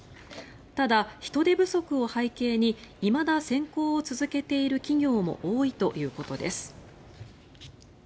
ただ、人手不足を背景にいまだ選考を続けている企業も多いということです。